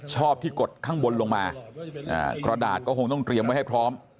ชอบที่กดข้างบนลงมากระดาษก็คงต้องเตรียมไว้ให้พร้อม